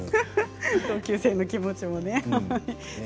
同級生の気持ちもね。